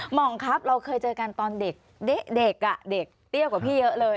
หมองครับเราเคยเจอกันตอนเด็กเด็กเตี้ยกว่าพี่เยอะเลย